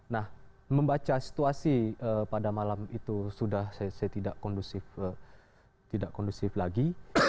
nah membaca situasi pada malam itu sudah tidak kondusif tidak kondusif lagi